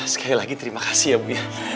sekali lagi terima kasih ya bu